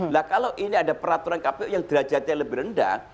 nah kalau ini ada peraturan kpu yang derajatnya lebih rendah